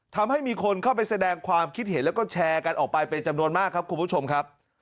ทำให้มีคนเข้าไปแสดงความคิดเห็นแล้วก็แชร์กันออกไปเป็นจำนวนมากครับคุณผู้ชมครับ